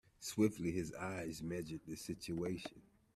Swiftly his eyes measured the situation.